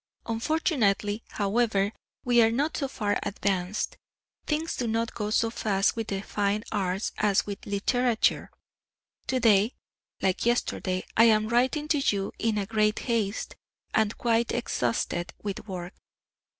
Unfortunately, however, we are not so far advanced, things do not go so fast with the fine arts as with literature. To day, like yesterday, I am writing to you in great haste, and quite exhausted with work.